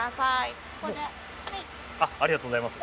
ありがとうございます。